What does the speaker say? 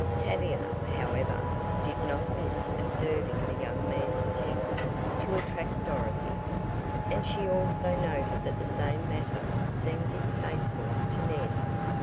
Tavia, however, did not miss observing the young man's attempts to attract Dorothy, and she also noted that the same matter seemed distasteful to Ned.